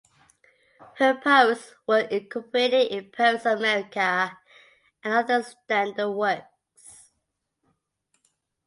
Her poems were incorporated in "Poets of America" and other standard works.